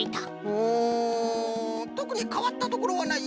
うんとくにかわったところはない